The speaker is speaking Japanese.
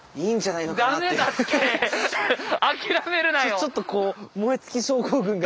ちょっとこう燃え尽き症候群が。